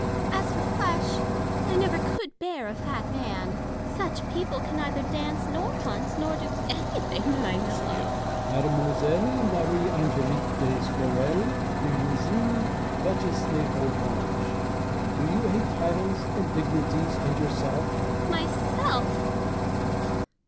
As for flesh, I never could bear a fat 70 IMAGINARY CONVERSATIONS. man. Such people can neither dance nor hunt, nor do anything that I know of. Bossuet. Mademoiselle Marie Ang^lique de Scoraille de Rousille, Duchess de Fontanges ! do you hate titles and dignities and yourself % Fontanges. Myself